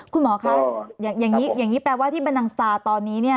คุณหมอค่ะอย่างนี้แปลว่าที่บรรดังสตาร์ตอนนี้